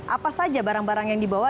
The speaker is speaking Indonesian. apa saja barang barang yang dibawa